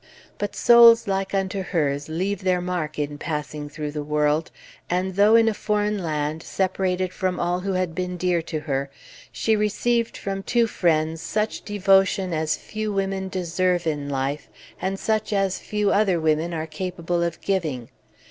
But souls like unto hers leave their mark in passing through the world; and, though in a foreign land, separated from all who had been dear to her, she received from two friends such devotion as few women deserve in life, and such as few other women are capable of giving.